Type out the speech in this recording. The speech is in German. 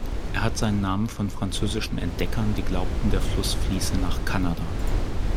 Er hat seinen Namen von französischen Entdeckern, die glaubten, der Fluss fließe nach Kanada.